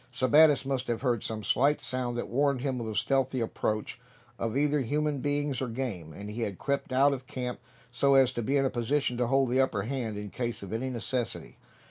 Sebattis must have heard some slight sound that warned him of the stealthy approach of either human beings or game, and he had crept out of camp so as to be in a position to hold the upper hand, in case of any necessity.